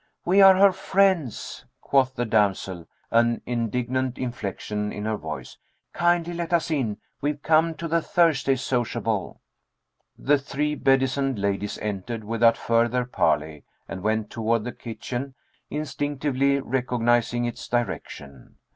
"We are her friends," quoth the damsel, an indignant inflection in her voice. "Kindly let us in. We've come to the Thursday sociable." The three bedizened ladies entered without further parley and went toward the kitchen, instinctively recognizing its direction.